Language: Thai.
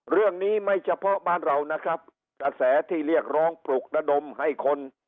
เรื่องนี้ไม่เฉพาะบ้านเรานะครับกระแสที่เรียกร้องปลุกระดมให้คน